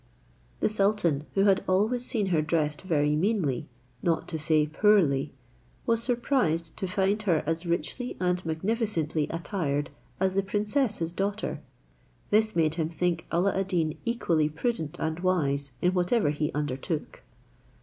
The sultan, who had always seen her dressed very meanly, not to say poorly, was surprised to find her as richly and magnificently attired as the princess his daughter. This made him think Alla ad Deen equally prudent and wise in whatever he undertook.